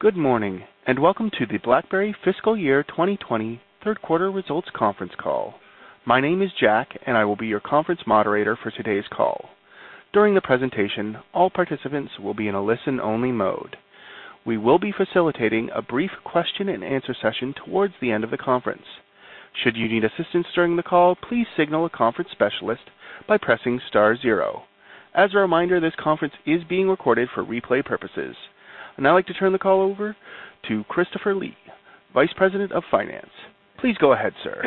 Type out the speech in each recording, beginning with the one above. Good morning, welcome to the BlackBerry Fiscal Year 2020 third quarter results conference call. My name is Jack, I will be your conference moderator for today's call. During the presentation, all participants will be in a listen-only mode. We will be facilitating a brief question and answer session towards the end of the conference. Should you need assistance during the call, please signal a conference specialist by pressing star zero. As a reminder, this conference is being recorded for replay purposes. I'd now like to turn the call over to Christopher Lee, Vice President of Finance. Please go ahead, sir.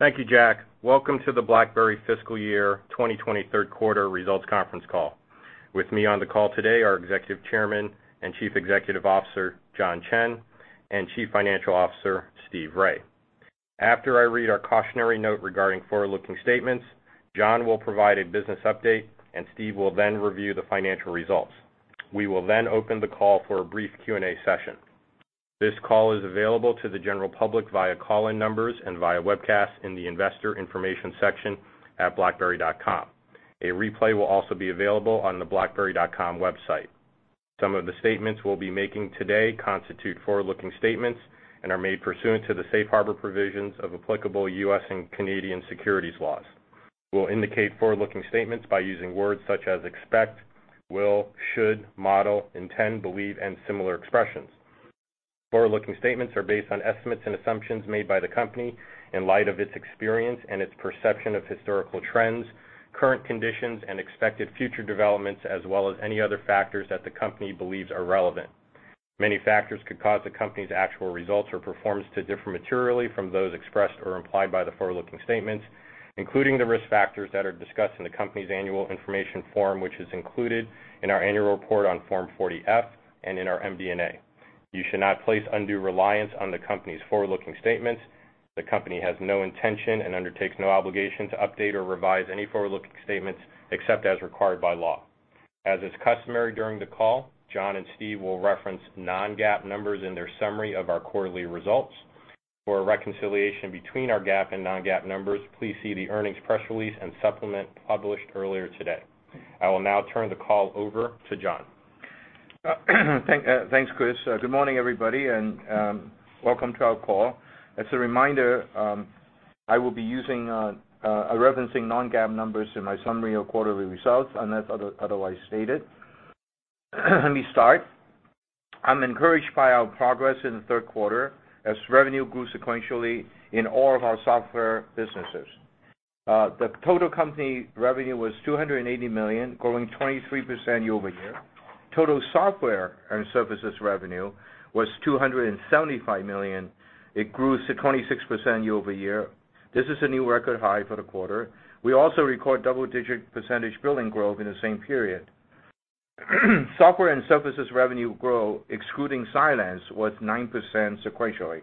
Thank you, Jack. Welcome to the BlackBerry Fiscal Year 2020 third quarter results conference call. With me on the call today are Executive Chairman and Chief Executive Officer, John Chen, and Chief Financial Officer, Steve Rai. After I read our cautionary note regarding forward-looking statements, John will provide a business update, and Steve will then review the financial results. We will then open the call for a brief Q&A session. This call is available to the general public via call-in numbers and via webcast in the investor information section at blackberry.com. A replay will also be available on the blackberry.com website. Some of the statements we'll be making today constitute forward-looking statements and are made pursuant to the safe harbor provisions of applicable U.S. and Canadian securities laws. We'll indicate forward-looking statements by using words such as expect, will, should, model, intend, believe, and similar expressions. Forward-looking statements are based on estimates and assumptions made by the company in light of its experience and its perception of historical trends, current conditions and expected future developments, as well as any other factors that the company believes are relevant. Many factors could cause the company's actual results or performance to differ materially from those expressed or implied by the forward-looking statements, including the risk factors that are discussed in the company's annual information form, which is included in our annual report on Form 40-F and in our MD&A. You should not place undue reliance on the company's forward-looking statements. The company has no intention and undertakes no obligation to update or revise any forward-looking statements except as required by law. As is customary during the call, John and Steve will reference non-GAAP numbers in their summary of our quarterly results. For a reconciliation between our GAAP and non-GAAP numbers, please see the earnings press release and supplement published earlier today. I will now turn the call over to John. Thanks, Chris. Good morning, everybody, and welcome to our call. As a reminder, I will be referencing non-GAAP numbers in my summary of quarterly results, unless otherwise stated. Let me start. I'm encouraged by our progress in the third quarter as revenue grew sequentially in all of our software businesses. The total company revenue was $280 million, growing 23% year-over-year. Total software and services revenue was $275 million. It grew to 26% year-over-year. This is a new record high for the quarter. We also record double-digit percentage billing growth in the same period. Software and services revenue growth, excluding Cylance, was 9% sequentially.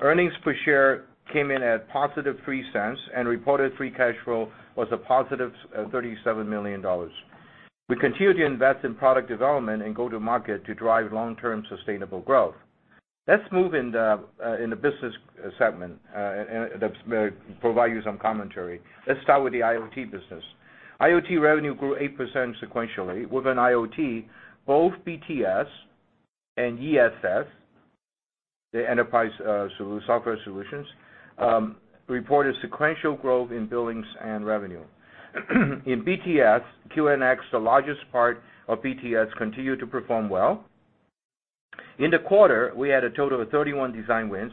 Earnings per share came in at positive $0.03, and reported free cash flow was a positive $37 million. We continue to invest in product development and go-to-market to drive long-term sustainable growth. Let's move in the business segment, and provide you some commentary. Let's start with the IoT business. IoT revenue grew 8% sequentially. Within IoT, both BTS and ESS, the enterprise software solutions, reported sequential growth in billings and revenue. In BTS, QNX, the largest part of BTS, continued to perform well. In the quarter, we had a total of 31 design wins,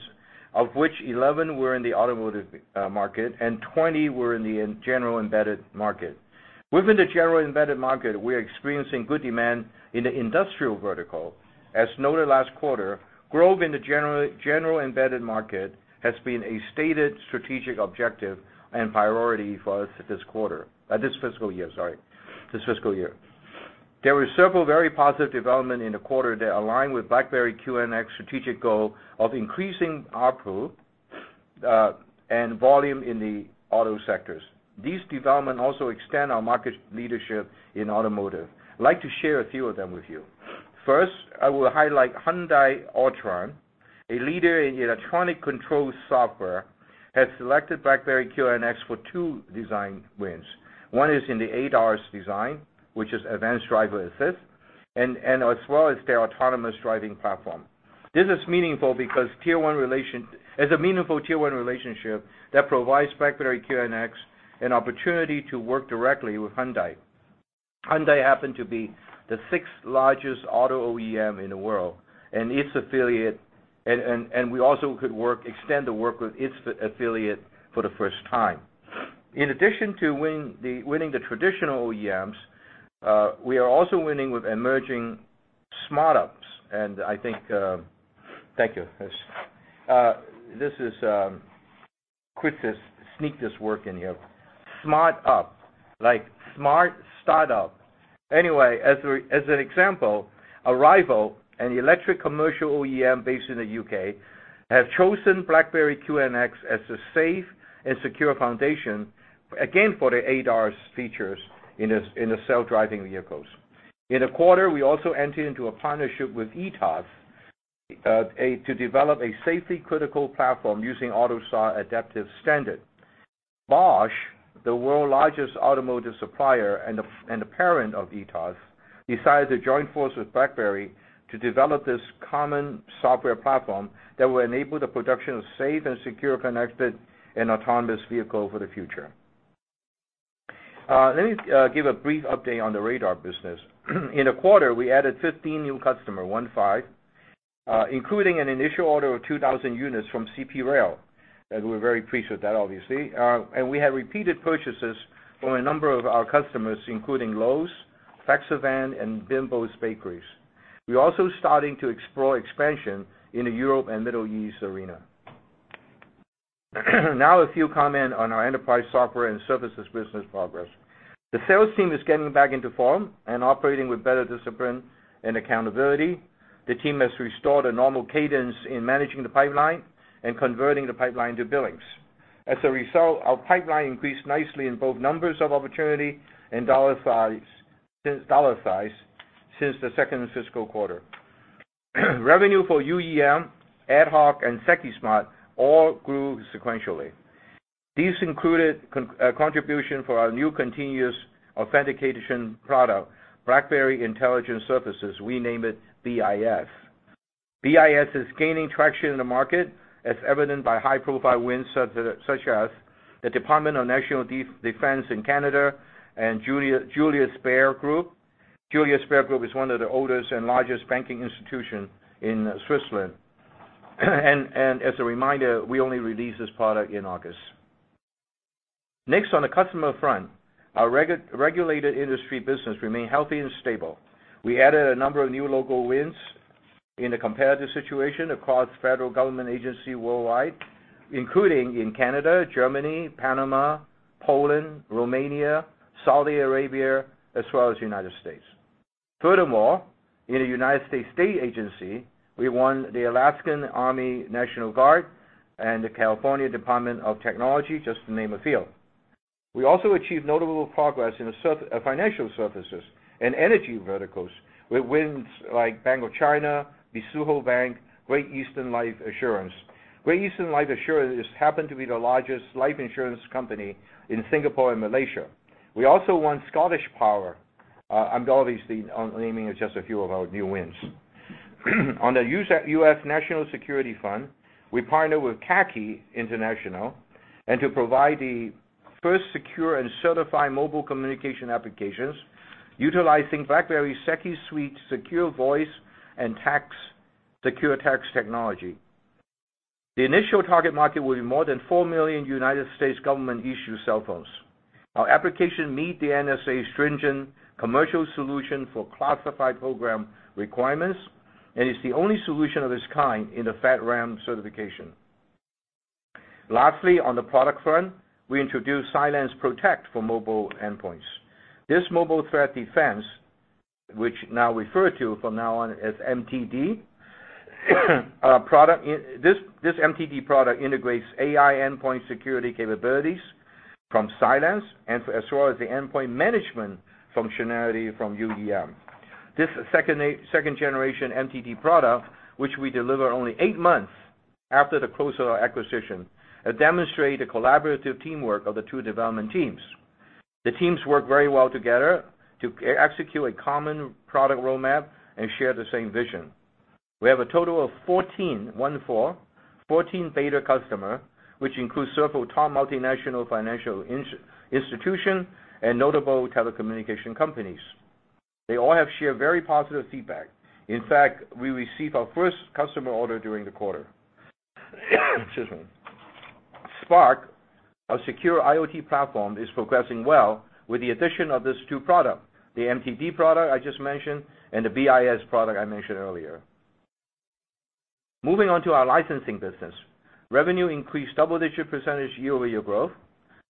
of which 11 were in the automotive market and 20 were in the general embedded market. Within the general embedded market, we're experiencing good demand in the industrial vertical. As noted last quarter, growth in the general embedded market has been a stated strategic objective and priority for us this fiscal year. There were several very positive development in the quarter that align with BlackBerry QNX strategic goal of increasing ARPU and volume in the auto sectors. These development also extend our market leadership in automotive. I'd like to share a few of them with you. First, I will highlight Hyundai Autron, a leader in electronic control software, has selected BlackBerry QNX for two design wins. One is in the ADAS design, which is advanced driver assist, as well as their autonomous driving platform. This is meaningful because it's a meaningful tier 1 relationship that provides BlackBerry QNX an opportunity to work directly with Hyundai. Hyundai happen to be the sixth largest auto OEM in the world, we also could extend the work with its affiliate for the first time. In addition to winning the traditional OEMs, we are also winning with emerging startups. Thank you. Chris just sneaked this work in here. Smart up, like smart startup. Anyway, as an example, Arrival, an electric commercial OEM based in the U.K., have chosen BlackBerry QNX as the safe and secure foundation, again, for the ADAS features in the self-driving vehicles. In the quarter, we also entered into a partnership with ETAS to develop a safety-critical platform using AUTOSAR adaptive standard. Bosch, the world's largest automotive supplier and the parent of ETAS, decided to join forces with BlackBerry to develop this common software platform that will enable the production of safe and secure connected and autonomous vehicles for the future. Let me give a brief update on the radar business. In the quarter, we added 15 new customers, including an initial order of 2,000 units from CP Rail. We're very pleased with that, obviously. We have repeated purchases from a number of our customers, including Lowe's, FlexiVan, and Bimbo Bakeries. We're also starting to explore expansion in the Europe and Middle East arena. Now a few comments on our enterprise software and services business progress. The sales team is getting back into form and operating with better discipline and accountability. The team has restored a normal cadence in managing the pipeline and converting the pipeline to billings. As a result, our pipeline increased nicely in both numbers of opportunity and dollar size since the second fiscal quarter. Revenue for UEM, AtHoc, and SecuSUITE all grew sequentially. These included contribution for our new continuous authentication product, BlackBerry Intelligent Security. We name it BIS. BIS is gaining traction in the market as evident by high-profile wins such as the Department of National Defence in Canada and Julius Bär Group. Julius Bär Group is one of the oldest and largest banking institutions in Switzerland. As a reminder, we only released this product in August. Next, on the customer front, our regulated industry business remains healthy and stable. We added a number of new logo wins in the competitive situation across federal government agencies worldwide, including in Canada, Germany, Panama, Poland, Romania, Saudi Arabia, as well as the U.S. Furthermore, in the U.S. state agency, we won the Alaska Army National Guard and the California Department of Technology, just to name a few. We also achieved notable progress in financial services and energy verticals with wins like Bank of China, Mizuho Bank, Great Eastern Life Assurance. Great Eastern Life Assurance happens to be the largest life insurance company in Singapore and Malaysia. We also won ScottishPower. I'm obviously only naming just a few of our new wins. On the U.S. National Security Fund, we partnered with CACI International to provide the first secure and certified mobile communication applications utilizing BlackBerry SecuSUITE secure voice and secure text technology. The initial target market will be more than 4 million United States government-issued cell phones. Our application meets the NSA's stringent commercial solution for classified program requirements and is the only solution of its kind in the FedRAMP certification. On the product front, we introduced CylancePROTECT for mobile endpoints. This mobile threat defense, which we now refer to from now on as MTD product, integrates AI endpoint security capabilities from Cylance as well as the endpoint management functionality from UEM. This second-generation MTD product, which we delivered only 8 months after the close of our acquisition, demonstrates the collaborative teamwork of the two development teams. The teams work very well together to execute a common product roadmap and share the same vision. We have a total of 14 beta customers, which includes several top multinational financial institutions and notable telecommunication companies. They all have shared very positive feedback. In fact, we received our first customer order during the quarter. Excuse me. SPARK, our secure IoT platform, is progressing well with the addition of these two products, the MTD product I just mentioned and the BIS product I mentioned earlier. Moving on to our licensing business. Revenue increased double-digit % year-over-year growth,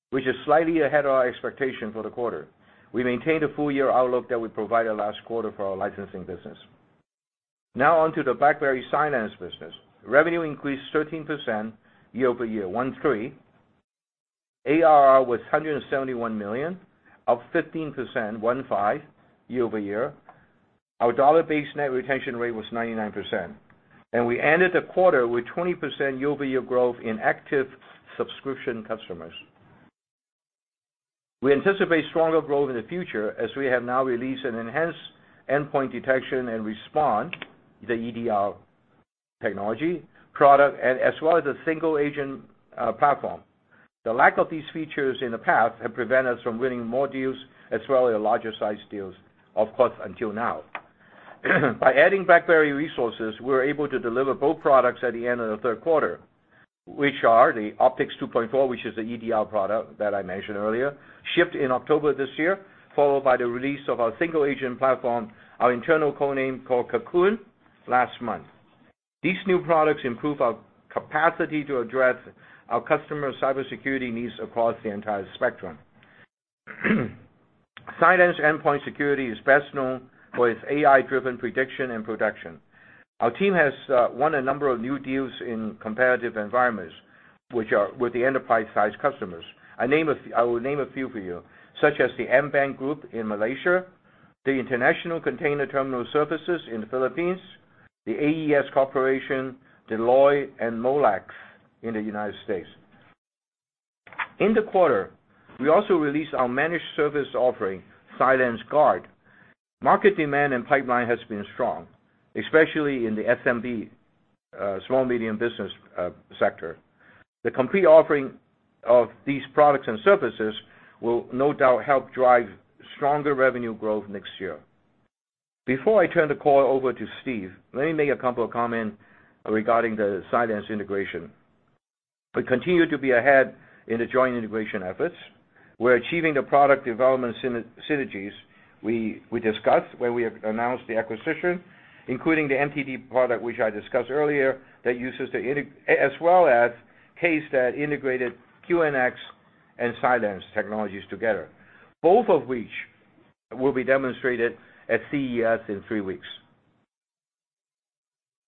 which is slightly ahead of our expectation for the quarter. We maintained a full-year outlook that we provided last quarter for our licensing business. Now on to the BlackBerry Cylance business. Revenue increased 13% year-over-year. ARR was $171 million, up 15% year-over-year. Our dollar-based net retention rate was 99%, and we ended the quarter with 20% year-over-year growth in active subscription customers. We anticipate stronger growth in the future as we have now released an enhanced endpoint detection and response, the EDR technology product, as well as a single-agent platform. The lack of these features in the past has prevented us from winning more deals as well as larger-sized deals, of course, until now. By adding BlackBerry resources, we were able to deliver both products at the end of the third quarter, which are the CylanceOPTICS 2.4, which is the EDR product that I mentioned earlier, shipped in October this year, followed by the release of our single-agent platform, our internal codename called Cocoon, last month. These new products improve our capacity to address our customers' cybersecurity needs across the entire spectrum. Cylance Endpoint Security is best known for its AI-driven prediction and protection. Our team has won a number of new deals in competitive environments with enterprise-sized customers. I will name a few for you, such as the AmBank Group in Malaysia, the International Container Terminal Services in the Philippines, The AES Corporation, Deloitte, and Molex in the U.S. In the quarter, we also released our managed service offering, CylanceGUARD. Market demand and pipeline has been strong, especially in the SMB, small medium business sector. The complete offering of these products and services will no doubt help drive stronger revenue growth next year. Before I turn the call over to Steve, let me make a couple of comments regarding the Cylance integration. We continue to be ahead in the joint integration efforts. We're achieving the product development synergies we discussed when we announced the acquisition, including the MTD product, which I discussed earlier, as well as case that integrated QNX and Cylance technologies together, both of which will be demonstrated at CES in three weeks.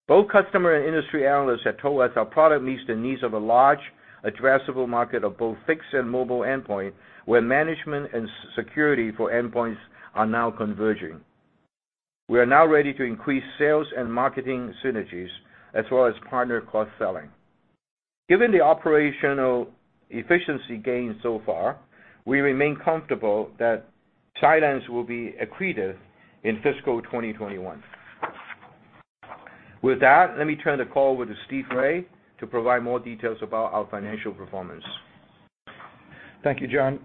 Both customer and industry analysts have told us our product meets the needs of a large addressable market of both fixed and mobile endpoint, where management and security for endpoints are now converging. We are now ready to increase sales and marketing synergies, as well as partner cross-selling. Given the operational efficiency gains so far, we remain comfortable that Cylance will be accretive in fiscal 2021. With that, let me turn the call over to Steve Rai to provide more details about our financial performance. Thank you, John.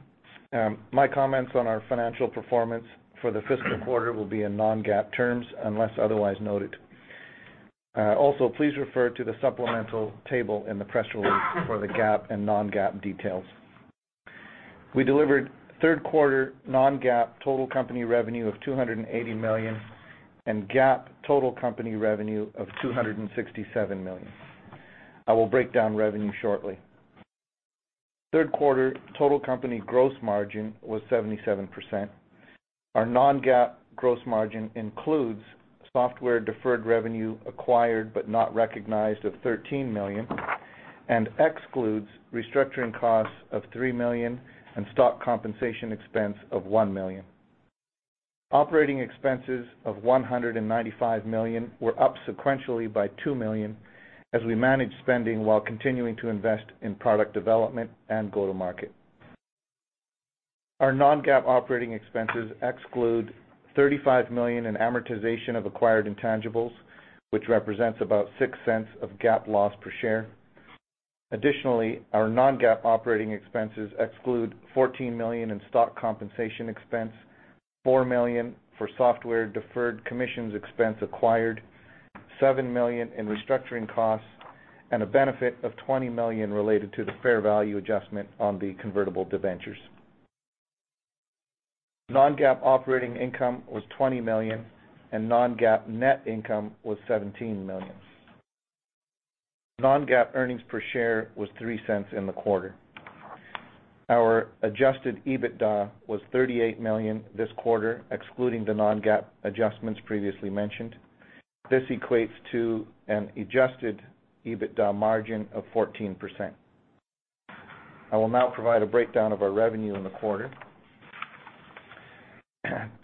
My comments on our financial performance for the fiscal quarter will be in non-GAAP terms unless otherwise noted. Also, please refer to the supplemental table in the press release for the GAAP and non-GAAP details. We delivered third quarter non-GAAP total company revenue of $280 million and GAAP total company revenue of $267 million. I will break down revenue shortly. Third quarter total company gross margin was 77%. Our non-GAAP gross margin includes software deferred revenue acquired but not recognized of $13 million and excludes restructuring costs of $3 million and stock compensation expense of $1 million. Operating expenses of $195 million were up sequentially by $2 million as we manage spending while continuing to invest in product development and go-to-market. Our non-GAAP operating expenses exclude $35 million in amortization of acquired intangibles, which represents about $0.06 of GAAP loss per share. Additionally, our non-GAAP operating expenses exclude $14 million in stock compensation expense, $4 million for software deferred commissions expense acquired, $7 million in restructuring costs, and a benefit of $20 million related to the fair value adjustment on the convertible debentures. Non-GAAP operating income was $20 million, and non-GAAP net income was $17 million. Non-GAAP earnings per share was $0.03 in the quarter. Our adjusted EBITDA was $38 million this quarter, excluding the non-GAAP adjustments previously mentioned. This equates to an adjusted EBITDA margin of 14%. I will now provide a breakdown of our revenue in the quarter.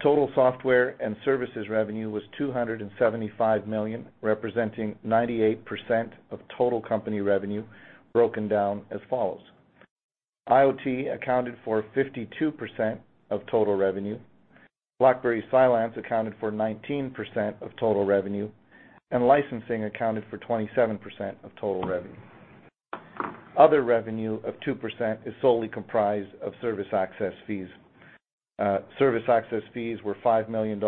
Total software and services revenue was $275 million, representing 98% of total company revenue, broken down as follows. IoT accounted for 52% of total revenue. BlackBerry Cylance accounted for 19% of total revenue, and licensing accounted for 27% of total revenue. Other revenue of 2% is solely comprised of service access fees. Service access fees were $5 million,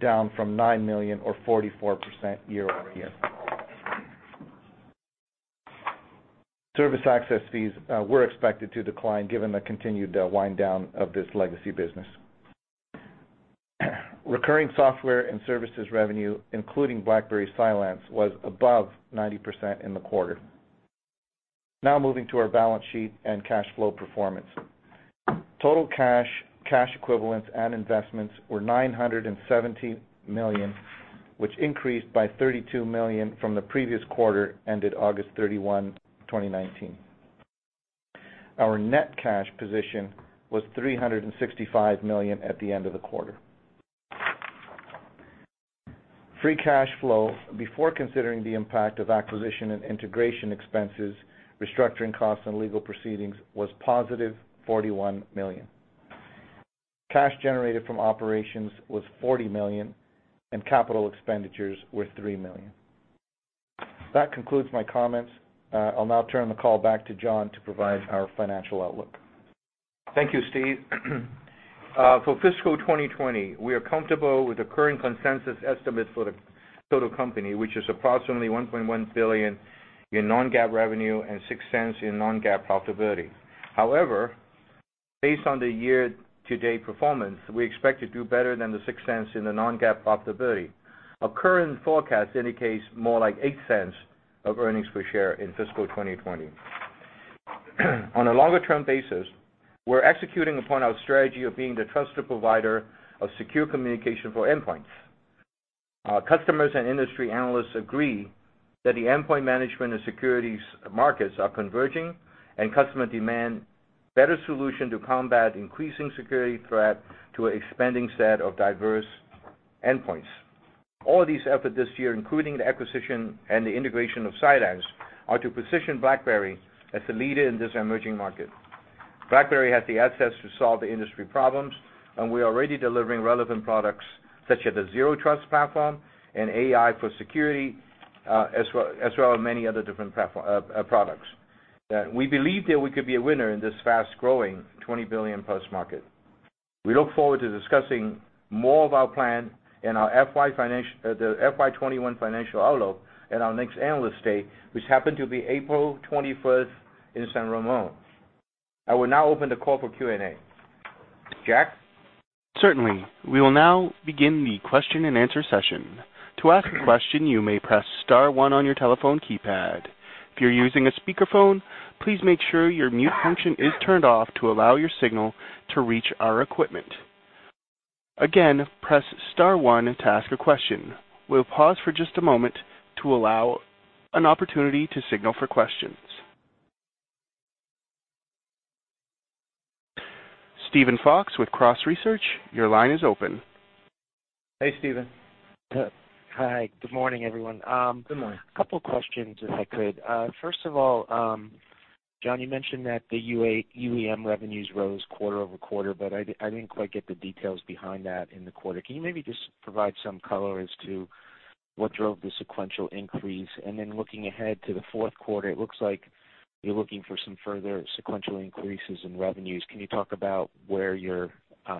down from $9 million or 44% year-over-year. Service access fees were expected to decline given the continued wind-down of this legacy business. Recurring software and services revenue, including BlackBerry Cylance, was above 90% in the quarter. Now moving to our balance sheet and cash flow performance. Total cash equivalents, and investments were $917 million, which increased by $32 million from the previous quarter ended August 31, 2019. Our net cash position was $365 million at the end of the quarter. Free cash flow, before considering the impact of acquisition and integration expenses, restructuring costs, and legal proceedings, was positive $41 million. Cash generated from operations was $40 million, and capital expenditures were $3 million. That concludes my comments. I'll now turn the call back to John to provide our financial outlook. Thank you, Steve. For fiscal 2020, we are comfortable with the current consensus estimate for the total company, which is approximately $1.1 billion in non-GAAP revenue and $0.06 in non-GAAP profitability. However, based on the year-to-date performance, we expect to do better than the $0.06 in the non-GAAP profitability. Our current forecast indicates more like $0.08 of earnings per share in fiscal 2020. On a longer-term basis, we're executing upon our strategy of being the trusted provider of secure communication for endpoints. Our customers and industry analysts agree that the endpoint management and securities markets are converging, and customer demand better solution to combat increasing security threat to an expanding set of diverse endpoints. All of these efforts this year, including the acquisition and the integration of Cylance, are to position BlackBerry as the leader in this emerging market. BlackBerry has the assets to solve the industry problems, and we're already delivering relevant products such as the Zero Trust platform and AI for security, as well as many other different products. We believe that we could be a winner in this fast-growing, $20 billion-plus market. We look forward to discussing more of our plan and the FY 2021 financial outlook at our next Analyst Day, which happened to be April 21st in San Ramon. I will now open the call for Q&A. Jack? Certainly. We will now begin the question and answer session. To ask a question, you may press star one on your telephone keypad. If you're using a speakerphone, please make sure your mute function is turned off to allow your signal to reach our equipment. Again, press star one to ask a question. We'll pause for just a moment to allow an opportunity to signal for questions. Steven Fox with Cross Research, your line is open. Hey, Steven. Hi. Good morning, everyone. Good morning. A couple questions, if I could. First of all, John, you mentioned that the UEM revenues rose quarter-over-quarter, but I didn't quite get the details behind that in the quarter. Can you maybe just provide some color as to what drove the sequential increase? Looking ahead to the fourth quarter, it looks like you're looking for some further sequential increases in revenues. Can you talk about where you're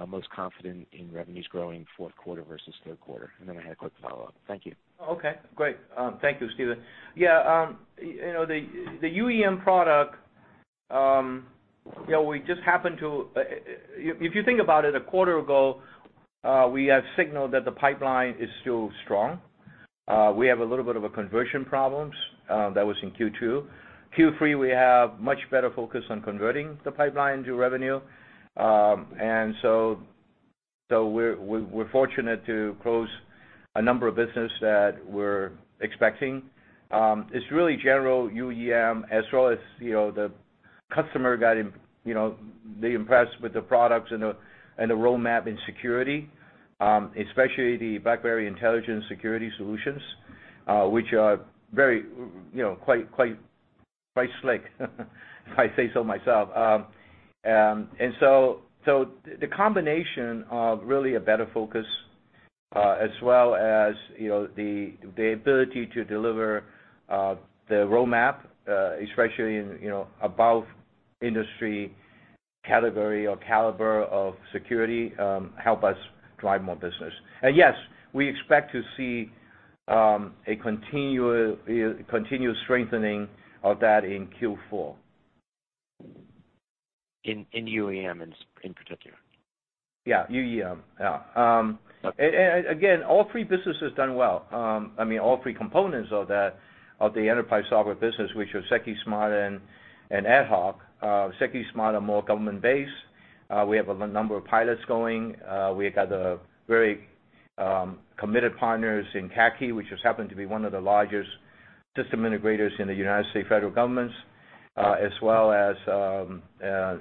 most confident in revenues growing fourth quarter versus third quarter? I had a quick follow-up. Thank you. Okay. Great. Thank you, Steven. The UEM product, if you think about it, a quarter ago, we have signaled that the pipeline is still strong. We have a little bit of a conversion problems, that was in Q2. Q3, we have much better focus on converting the pipeline to revenue. We're fortunate to close a number of business that we're expecting. It's really general UEM as well as the customer, they impressed with the products and the roadmap in security, especially the BlackBerry Intelligent Security solutions, which are very quite slick, if I say so myself. The combination of really a better focus, as well as the ability to deliver the roadmap, especially above industry category or caliber of security, help us drive more business. Yes, we expect to see a continuous strengthening of that in Q4. In UEM in particular? Yeah. UEM. Yeah. Okay. Again, all 3 businesses done well. All 3 components of the enterprise software business, which are SecuSmart, SecuSUITE and AtHoc. SecuSmart, SecuSUITE are more government-based. We have a number of pilots going. We got very committed partners in CACI, which just happened to be 1 of the largest system integrators in the U.S. federal government, as well as in the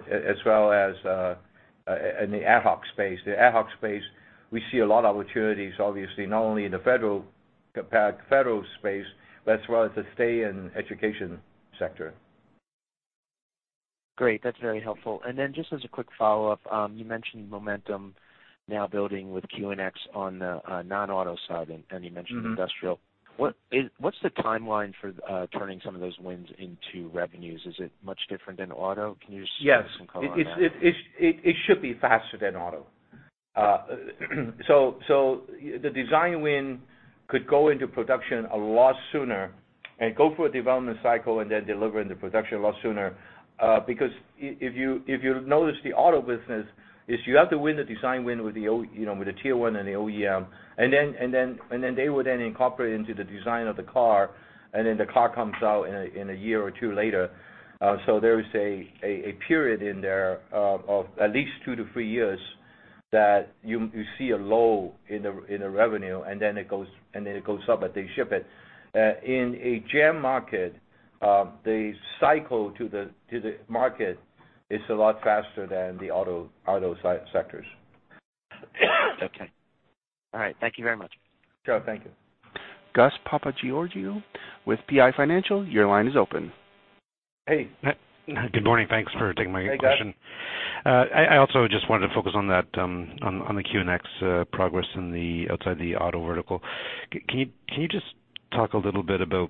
AtHoc space. The AtHoc space, we see a lot of opportunities, obviously, not only in the federal space, but as well as the state and education sector. Great. That's very helpful. Just as a quick follow-up, you mentioned momentum now building with QNX on the non-auto side, and you mentioned industrial. What's the timeline for turning some of those wins into revenues? Is it much different than auto? Yes provide some color on that? It should be faster than auto. The design win could go into production a lot sooner and go through a development cycle and then deliver into production a lot sooner. If you notice the auto business is you have to win the design win with the tier 1 and the OEM, and then they would then incorporate into the design of the car, and then the car comes out in a year or two later. There is a period in there of at least two to three years that you see a lull in the revenue, and then it goes up as they ship it. In an IoT market, the cycle to the market is a lot faster than the auto sectors. Okay. All right. Thank you very much. Sure. Thank you. Gus Papageorgiou with PI Financial, your line is open. Hey. Good morning. Thanks for taking my question. Hey, Gus. I also just wanted to focus on the QNX progress outside the auto vertical. Can you just talk a little bit about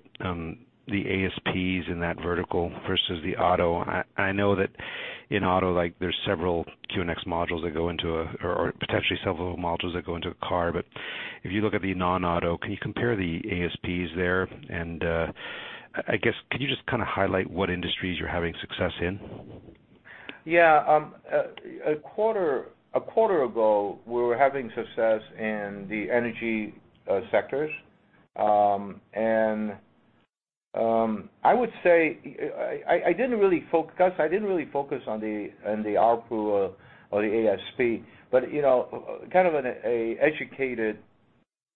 the ASPs in that vertical versus the auto? I know that in auto, there's several QNX modules that go into a or potentially several modules that go into a car. If you look at the non-auto, can you compare the ASPs there? I guess, could you just highlight what industries you're having success in? Yeah. A quarter ago, we were having success in the energy sectors. I would say, I didn't really focus on the ARPU or the ASP, but kind of an educated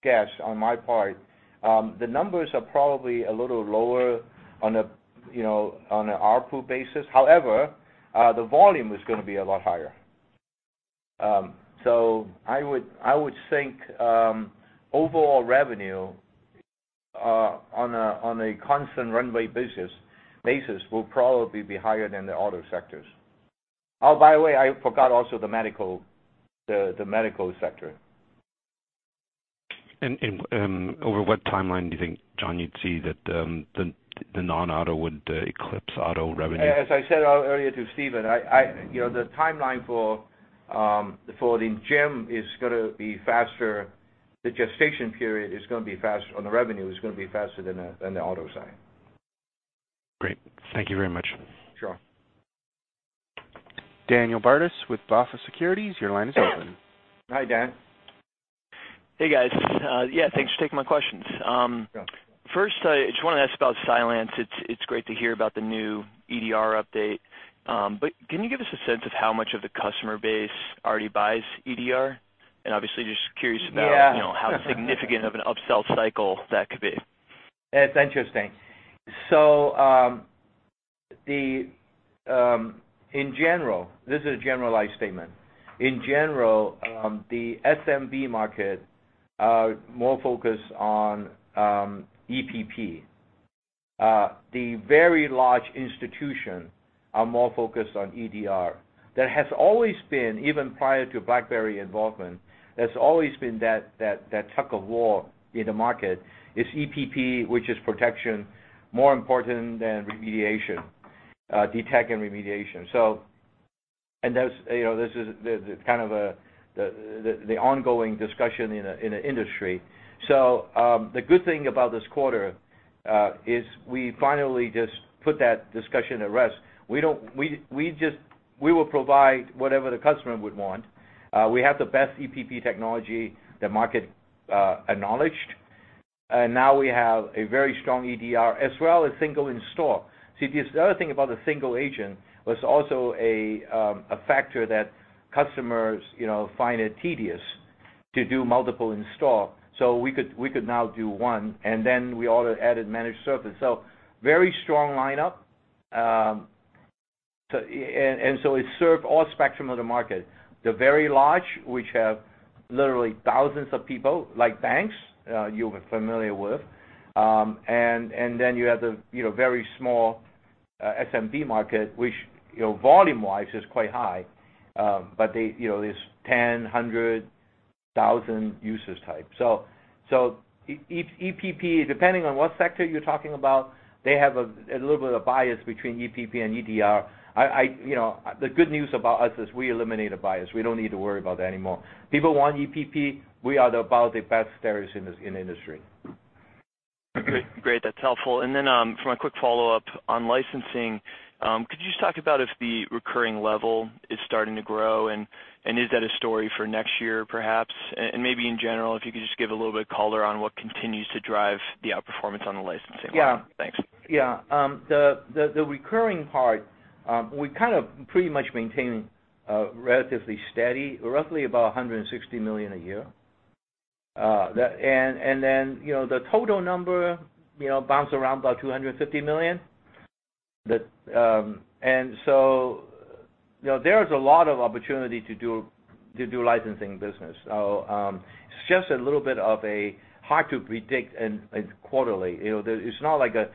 guess on my part, the numbers are probably a little lower on an ARPU basis. However, the volume is going to be a lot higher. I would think overall revenue on a constant runway basis will probably be higher than the auto sectors. Oh, by the way, I forgot also the medical sector. Over what timeline do you think, John, you'd see that the non-auto would eclipse auto revenue? As I said earlier to Steven, the timeline for the GM is going to be faster, the gestation period is going to be faster on the revenue, is going to be faster than the auto side. Great. Thank you very much. Sure. Daniel Bartus with BofA Securities, your line is open. Hi, Dan. Hey, guys. Yeah, thanks for taking my questions. Yeah. First, I just want to ask about Cylance. It's great to hear about the new EDR update. Can you give us a sense of how much of the customer base already buys EDR? Yeah. How significant of an upsell cycle that could be. It's interesting. In general, this is a generalized statement. In general, the SMB market are more focused on EPP. The very large institution are more focused on EDR. That has always been, even prior to BlackBerry involvement, there's always been that tug of war in the market. Is EPP, which is protection, more important than remediation, detect and remediation? This is kind of the ongoing discussion in the industry. The good thing about this quarter, is we finally just put that discussion to rest. We will provide whatever the customer would want. We have the best EPP technology the market acknowledged. Now we have a very strong EDR as well as single install. The other thing about the single agent was also a factor that customers find it tedious to do multiple install. We could now do one, and then we auto added managed service. Very strong lineup. It served all spectrum of the market. The very large, which have literally thousands of people, like banks, you're familiar with. You have the very small SMB market, which volume wise is quite high. There's 10, 100,000 users type. EPP, depending on what sector you're talking about, they have a little bit of bias between EPP and EDR. The good news about us is we eliminate a bias. We don't need to worry about that anymore. People want EPP, we are about the best service in the industry. Great. That's helpful. For my quick follow-up on licensing, could you just talk about if the recurring level is starting to grow, and is that a story for next year perhaps? In general, if you could just give a little bit of color on what continues to drive the outperformance on the licensing line. Yeah. Thanks. Yeah. The recurring part, we kind of pretty much maintain relatively steady, roughly about $160 million a year. The total number bounced around about $250 million. There is a lot of opportunity to do licensing business. It's just a little bit of a hard to predict quarterly. It's not like a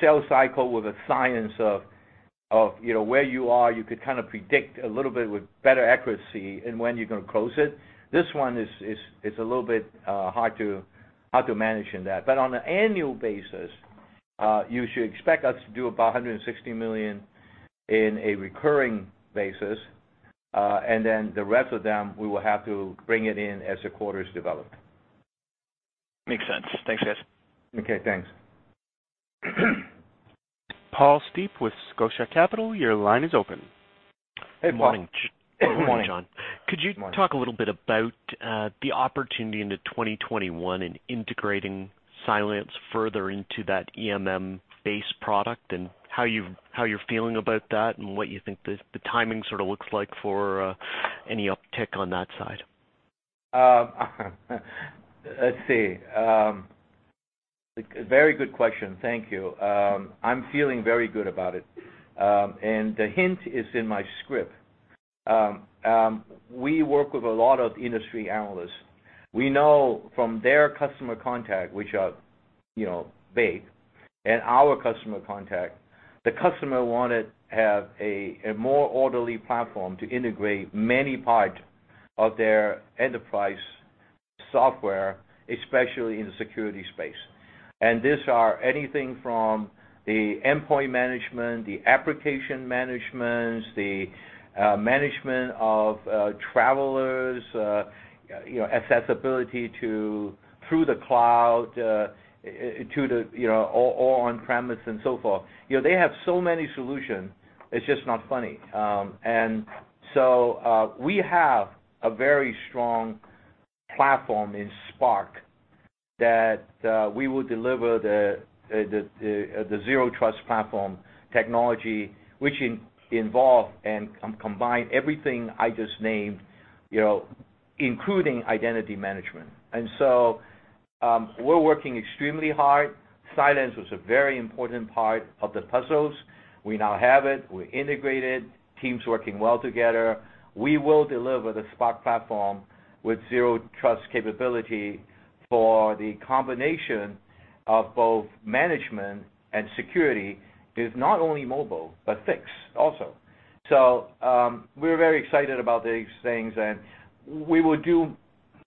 sales cycle with a science of where you are, you could kind of predict a little bit with better accuracy in when you're going to close it. This one is a little bit hard to manage in that. On an annual basis, you should expect us to do about $160 million in a recurring basis. The rest of them, we will have to bring it in as the quarters develop. Makes sense. Thanks, guys. Okay, thanks. Paul Steep with Scotia Capital, your line is open. Hey, Paul. Good morning, John. Good morning. Could you talk a little bit about the opportunity into 2021 in integrating Cylance further into that EMM base product and how you're feeling about that and what you think the timing sort of looks like for any uptick on that side? Let's see. Very good question. Thank you. I'm feeling very good about it. The hint is in my script. We work with a lot of industry analysts. We know from their customer contact, which are big, and our customer contact, the customer wanted to have a more orderly platform to integrate many parts of their enterprise software, especially in the security space. These are anything from the endpoint management, the application managements, the management of travelers, accessibility through the cloud, or on-premise and so forth. They have so many solutions, it's just not funny. We have a very strong platform in Spark that we will deliver the Zero Trust platform technology, which involve and combine everything I just named, including identity management. We're working extremely hard. Cylance was a very important part of the puzzles. We now have it. We're integrated, teams working well together. We will deliver the Spark platform with Zero Trust capability for the combination of both management and security is not only mobile, but fixed also. We're very excited about these things, and we will do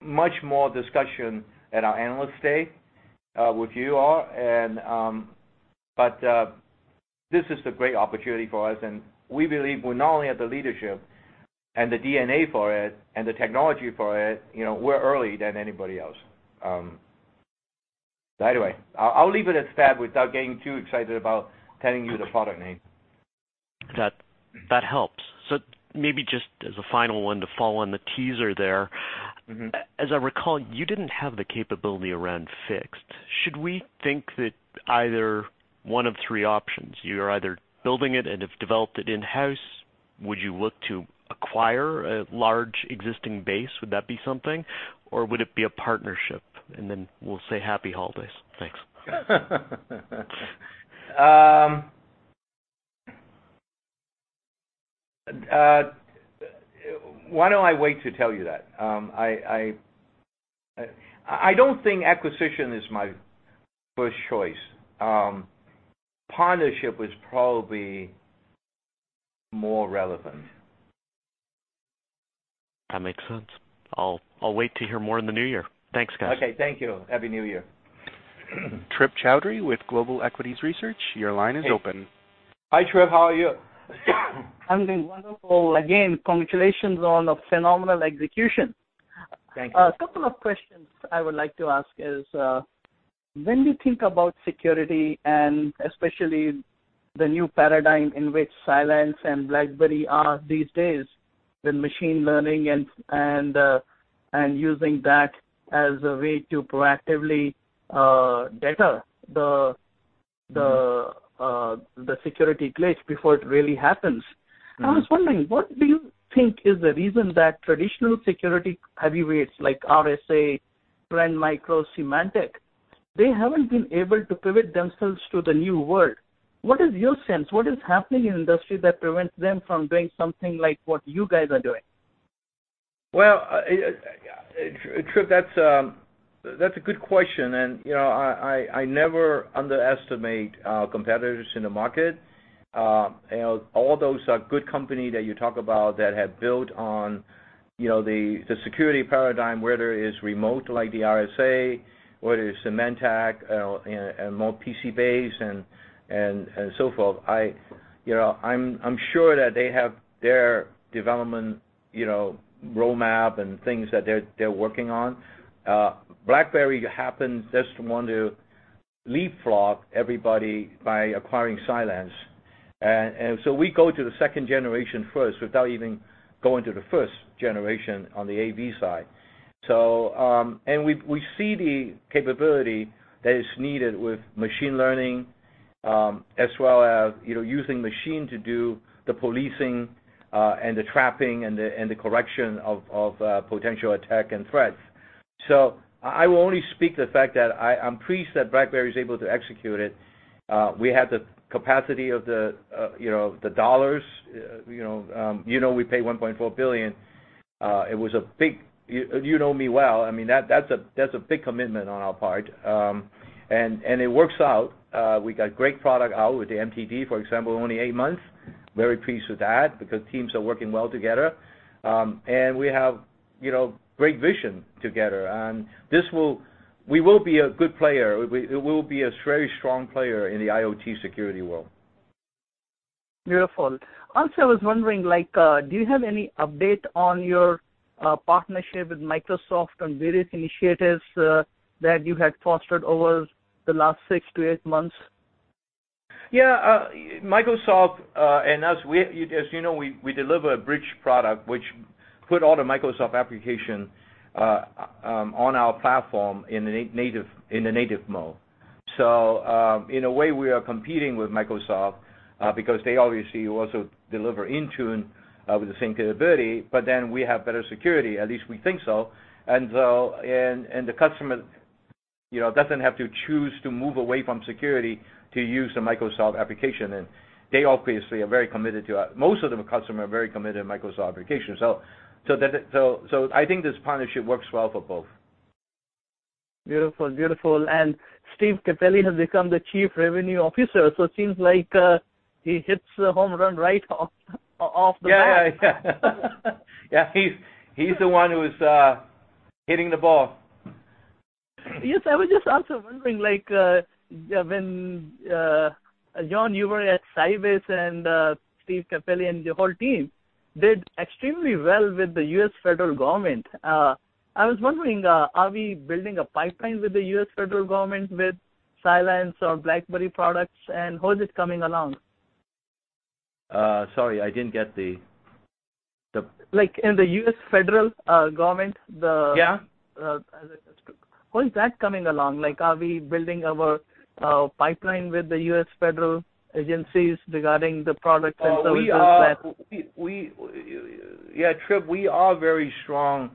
much more discussion at our Analyst Day, with you all. This is a great opportunity for us, and we believe we not only have the leadership and the DNA for it and the technology for it. We're early than anybody else. I'll leave it at that without getting too excited about telling you the product name. That helps. Maybe just as a final one to follow on the teaser there. As I recall, you didn't have the capability around Fixed. Should we think that either one of three options, you're either building it and have developed it in-house, would you look to acquire a large existing base? Would that be something? Would it be a partnership? We'll say happy holidays. Thanks. Why don't I wait to tell you that? I don't think acquisition is my first choice. Partnership is probably more relevant. That makes sense. I'll wait to hear more in the new year. Thanks, guys. Okay, thank you. Happy New Year. Trip Chowdhry with Global Equities Research, your line is open. Hey. Hi, Trip. How are you? I'm doing wonderful. Again, congratulations on a phenomenal execution. Thank you. A couple of questions I would like to ask is, when you think about security and especially the new paradigm in which Cylance and BlackBerry are these days, with machine learning and using that as a way to proactively detect. the security glitch before it really happens. I was wondering, what do you think is the reason that traditional security heavyweights like RSA, Trend Micro, Symantec, they haven't been able to pivot themselves to the new world? What is your sense? What is happening in industry that prevents them from doing something like what you guys are doing? Well, Trip, that's a good question. I never underestimate competitors in the market. All those are good company that you talk about that have built on the security paradigm, whether it is remote, like the RSA, whether it's Symantec, and more PC-based and so forth. I'm sure that they have their development roadmap and things that they're working on. BlackBerry happens just to want to leapfrog everybody by acquiring Cylance. We go to the second generation first without even going to the first generation on the AV side. We see the capability that is needed with machine learning, as well as using machine to do the policing, and the trapping, and the correction of potential attack and threats. I will only speak to the fact that I'm pleased that BlackBerry is able to execute it. We had the capacity of the dollars. You know we paid $1.4 billion. You know me well. That's a big commitment on our part, and it works out. We got great product out with the MTD. For example, only eight months, very pleased with that because teams are working well together. We have great vision together. We will be a good player. We will be a very strong player in the IoT security world. Beautiful. Also, I was wondering, do you have any update on your partnership with Microsoft on various initiatives that you had fostered over the last six to eight months? Yeah. As you know, we deliver a bridge product which put all the Microsoft application on our platform in a native mode. In a way, we are competing with Microsoft, because they obviously also deliver Intune, with the same capability, but then we have better security, at least we think so. The customer doesn't have to choose to move away from security to use the Microsoft application, and they obviously are very committed to Microsoft applications. I think this partnership works well for both. Beautiful. Steve Capelli has become the chief revenue officer, so it seems like he hits the home run right off the bat. Yeah, yeah. Yeah. He's the one who's hitting the ball. Yes. I was just also wondering, when John, you were at Sybase and Steve Capelli and your whole team did extremely well with the U.S. federal government. I was wondering, are we building a pipeline with the U.S. federal government, with Cylance or BlackBerry products, and how is it coming along? Sorry, I didn't get. Like in the U.S. federal government. Yeah How is that coming along? Are we building our pipeline with the U.S. federal agencies regarding the products and services? Yeah, Trip, we are very strong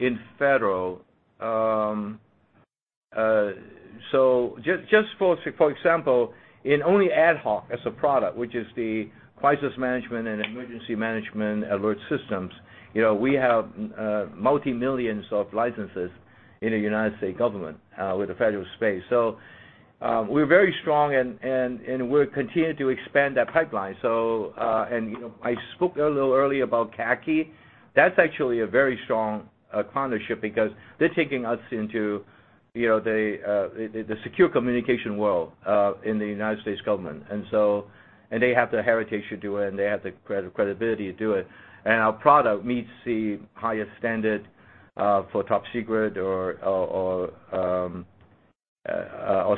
in Federal. Just for example, in only AtHoc as a product, which is the crisis management and emergency management alert systems, we have multi-millions of licenses in the U.S. Government, with the Federal space. We're very strong and we're continuing to expand that pipeline. I spoke a little earlier about CACI. That's actually a very strong partnership because they're taking us into the secure communication world in the U.S. Government. They have the heritage to do it, and they have the credibility to do it. Our product meets the highest standard for Top Secret or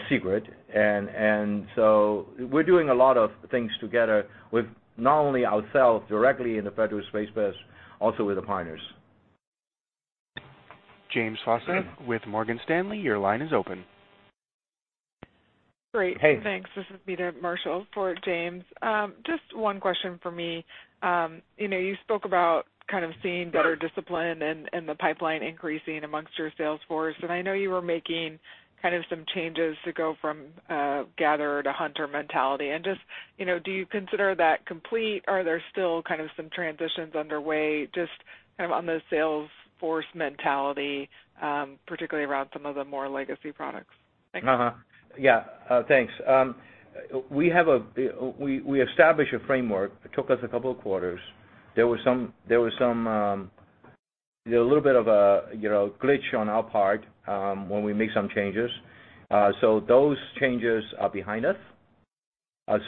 Secret. We're doing a lot of things together with not only ourselves directly in the Federal space, but also with the partners. James Faucette with Morgan Stanley, your line is open. Great. Hey. Thanks. This is Meta Marshall for James. Just one question from me. You spoke about kind of seeing better discipline and the pipeline increasing amongst your sales force, and I know you were making kind of some changes to go from gather to hunter mentality. Just, do you consider that complete? Are there still kind of some transitions underway, just kind of on the sales force mentality, particularly around some of the more legacy products? Thanks. We established a framework. It took us a couple of quarters. There was a little bit of a glitch on our part when we made some changes. Those changes are behind us.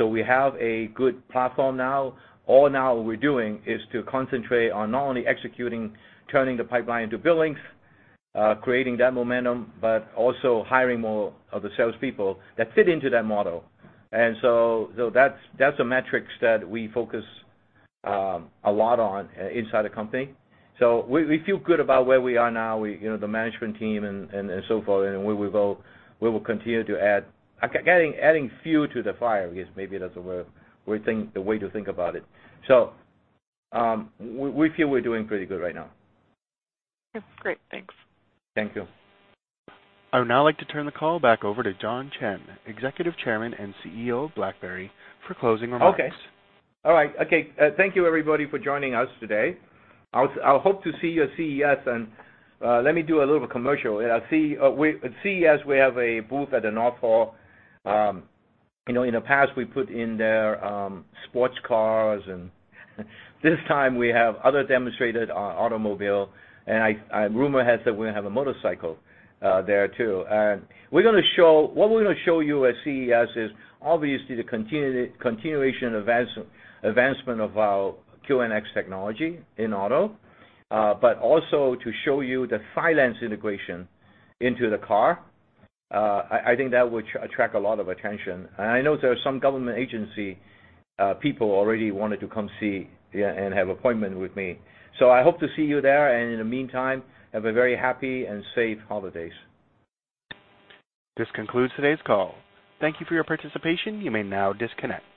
We have a good platform now. Now what we're doing is to concentrate on not only executing, turning the pipeline into billings, creating that momentum, but also hiring more of the salespeople that fit into that model. That's the metrics that we focus a lot on inside the company. We feel good about where we are now, the management team and so forth. We will continue to add fuel to the fire, I guess maybe that's the way to think about it. We feel we're doing pretty good right now. Great. Thanks. Thank you. I would now like to turn the call back over to John Chen, Executive Chairman and CEO of BlackBerry, for closing remarks. Okay. All right. Okay. Thank you everybody for joining us today. I hope to see you at CES. Let me do a little commercial. At CES, we have a booth at the North Hall. In the past, we put in there sports cars. This time we have other demonstrated automobile. Rumor has it we're going to have a motorcycle there, too. What we're going to show you at CES is obviously the continuation advancement of our QNX technology in auto. Also to show you the Cylance integration into the car. I know there are some government agency people already wanted to come see and have appointment with me. I hope to see you there. In the meantime, have a very happy and safe holidays. This concludes today's call. Thank you for your participation. You may now disconnect.